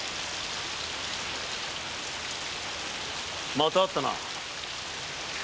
また会ったな。